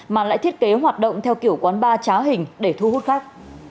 mà lại thiết kế hoạt động theo kiểu quán ba trá hình để thu hút khách